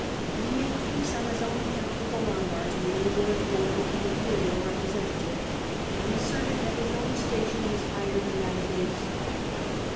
He made peace on his own account with the Lombards when they were at war with the Imperial representative, and asserted that his own station was higher than that of the exarch."